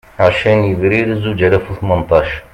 Ɛecrin Yebrir Zuǧ alas u Tmenṭac